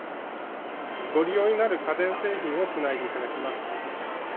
ご利用になる家電製品をつないでいただきます。